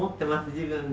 自分で。